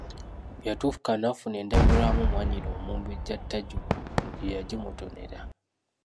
Yatuuka n'afuna endabirwamu, mwannyina Omumbejja Tajuuba ye yagimutonera.